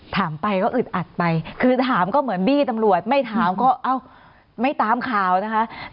ถามไปก็อึดอัดไปคือถามก็เหมือนบี้ตำรวจไม่ถามก็เอ้าไม่ตามข่าวนะคะ